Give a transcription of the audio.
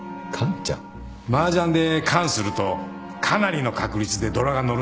マージャンでカンするとかなりの確率でドラが乗るんですよ。